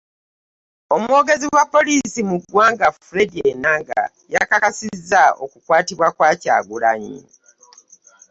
Omwogezi wa poliisi mu ggwanga, Fred Enanga, yakakasizza okukwatibwa kwa Kyagulanyi